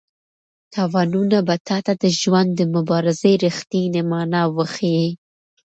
تاوانونه به تا ته د ژوند د مبارزې رښتینې مانا وښيي.